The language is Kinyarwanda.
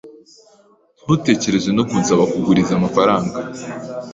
Ntutekereze no kunsaba kuguriza amafaranga.